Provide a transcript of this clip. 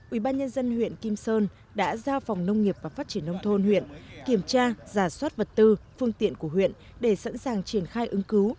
ubnd huyện kim sơn đã giao phòng nông nghiệp và phát triển nông thôn huyện kiểm tra giả soát vật tư phương tiện của huyện để sẵn sàng triển khai ứng cứu